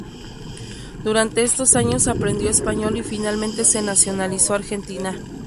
Durante estos años aprendió español y finalmente se nacionalizó argentina.